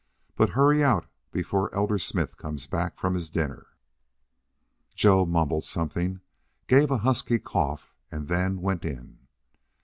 "But hurry out before Elder Smith comes back from his dinner." Joe mumbled something, gave a husky cough, and then went in.